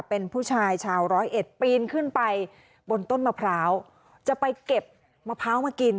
เป็นผู้ชายชาวร้อยเอ็ดปีนขึ้นไปบนต้นมะพร้าวจะไปเก็บมะพร้าวมากิน